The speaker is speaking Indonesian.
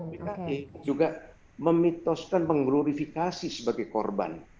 bki juga memitoskan mengglorifikasi sebagai korban